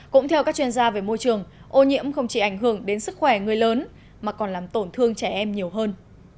cũng theo các chuyên gia về môi trường ô nhiễm không chỉ ảnh hưởng đến sức khỏe người lớn mà còn làm tổn thương trẻ em nhiều hơn